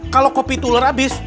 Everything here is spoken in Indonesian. kalau kopi itu ular habis